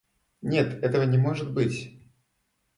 Нет, этого не может быть.